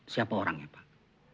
siapa orangnya pak